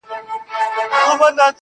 پرون مي غوښي د زړگي خوراك وې,